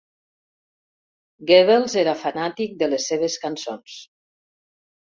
Goebbels era fanàtic de les seves cançons.